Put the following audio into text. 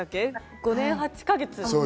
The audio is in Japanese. ５年８か月。